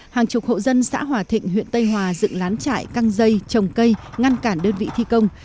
hàng chục hộ dân xã hòa thịnh huyện tây hòa dựng lán trại căng dây trồng cây ngăn cản đơn vị thi công